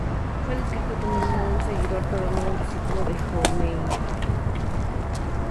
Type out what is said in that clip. Fue descrito como un seguidor, pero no un discípulo de Jomeini.